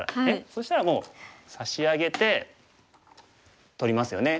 そしたらもう差し上げて取りますよね。